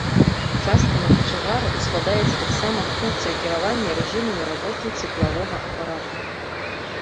Часта на качагара ускладаецца таксама функцыя кіравання рэжымамі работы цеплавога апарата.